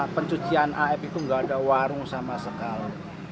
pencucian af itu nggak ada warung sama sekali